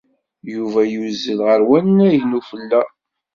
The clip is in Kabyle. Yuba yuzzel ɣer wannag n ufella.